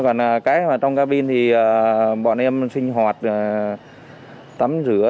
còn cái mà trong cabin thì bọn em sinh hoạt tắm rửa